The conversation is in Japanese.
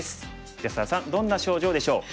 安田さんどんな症状でしょう。